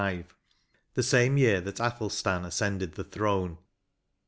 d. 926 — the same year that Athelstan ascended the throne.